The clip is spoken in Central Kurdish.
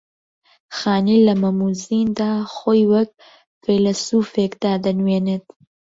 خانی لە مەم و زیندا خۆی وەک فەیلەسووفێکدا دەنووێنێت